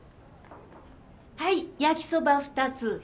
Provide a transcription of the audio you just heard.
はい焼きそば２つ。